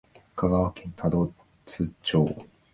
香川県多度津町